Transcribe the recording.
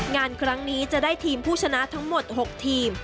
งานครั้งนี้จะได้ทีมผู้ชนะทั้งหมด๖ทีม